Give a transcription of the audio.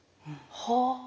はあ。